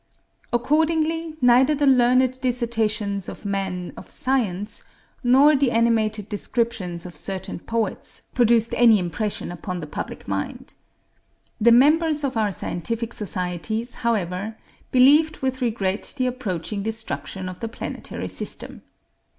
Accordingly, neither the learned dissertations of men of science nor the animated descriptions of certain poets produced any impression upon the public mind. The members of our scientific societies, however, believed with regret the approaching destruction of the planetary system.